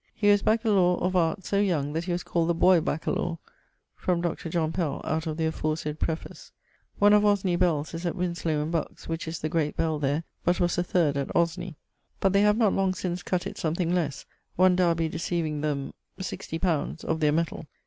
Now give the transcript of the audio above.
He was Baccalaur of Arts so young, that he was called the boy bacchalaur. From Dr. John Pell (out of the aforesayd preface). One of Osney bells is at Winslowe in Bucks, which is the great bell there, but was the 3ᵈ at Osney; but they have not long since cutt it something lesse, one Derby decieving them LX li. of their metall.